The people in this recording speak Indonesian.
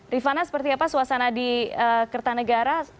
rifana seperti apa suasana di kertanegara